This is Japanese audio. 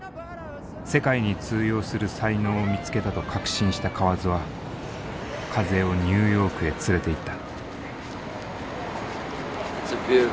世界に通用する才能を見つけたと確信した河津は風をニューヨークへ連れて行った。